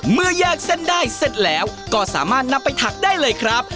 เมื่อแยกเส้นได้เสร็จแล้วก็สามารถนำไปถักได้เลยครับ